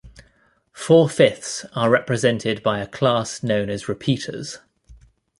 Four-fifths are represented by a class known as repeaters.